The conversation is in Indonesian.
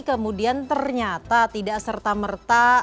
kemudian ternyata tidak serta merta